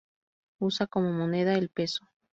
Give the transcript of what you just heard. Usa como moneda el peso.